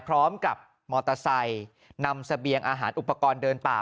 พร้อมกับมอเตอร์ไซค์นำเสบียงอาหารอุปกรณ์เดินป่า